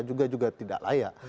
juga juga tidak layak